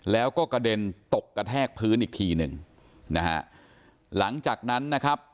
แล้วก็กระเด็นตกกระแทกพื้นอีกทีหนึ่งนะฮะหลังจากนั้นนะครับ